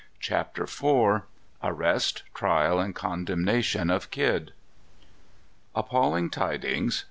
CHAPTER IV Arrest, Trial, and Condemnation of Kidd. Appalling Tidings.